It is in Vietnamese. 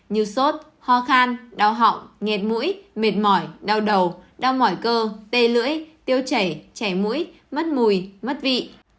như sốt ho khan đau họng nghẹt mũi mệt mỏi đau đầu đau mỏi cơ tê lưỡi tiêu chảy trẻ mũi mất mùi mất vị